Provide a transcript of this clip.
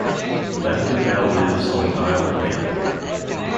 Lampkin now lives on the Isle of Man.